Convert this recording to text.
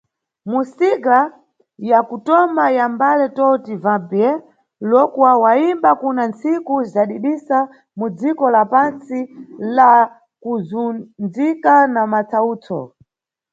Mu single ya kutoma ya mbale, "Tout va bien", Lokua wayimba kuna ntsiku zadidisa, mu dziko la pantsi la kuzundzika na matsawutso.